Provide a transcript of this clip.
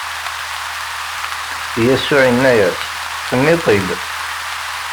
Yasuɛ inna-as: Tenniḍ-t-id!